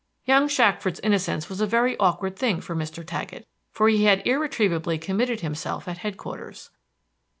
Young Shackford's innocence was a very awkward thing for Mr. Taggett, for he had irretrievably committed himself at head quarters.